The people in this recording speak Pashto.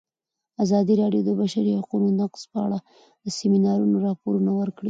ازادي راډیو د د بشري حقونو نقض په اړه د سیمینارونو راپورونه ورکړي.